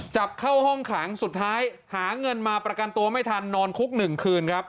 จับเข้าห้องขังสุดท้ายหาเงินมาประกันตัวไม่ทันนอนคุก๑คืนครับ